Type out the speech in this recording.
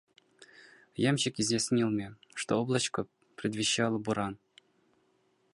Ямщик изъяснил мне, что облачко предвещало буран.